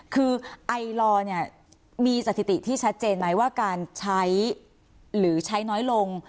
คือไอลอร์เนี่ยมีสถิติที่ชัดเจนไหมว่าการใช้หรือใช้น้อยลง